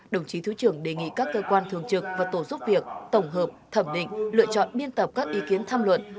đồng chí thứ trưởng đề nghị các cơ quan thường trực và tổ giúp việc tổng hợp thẩm định lựa chọn biên tập các ý kiến tham luận